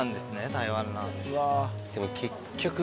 台湾ラーメン。